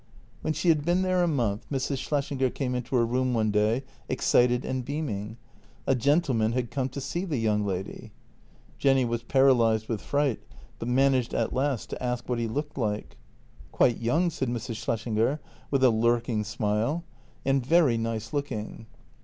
When she had been there a month Mrs. Schlessinger came into her room one day, excited and beaming — a gentleman had come to see the young lady. Jenny was paralysed with fright, but managed at last to ask what he looked like. " Quite young," said Mrs. Schlessinger, with a lurking smile —" and JENNY 242 very nice looking."